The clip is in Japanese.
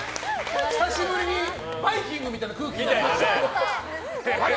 久しぶりに「バイキング」みたいな空気になりましたね。